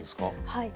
はい。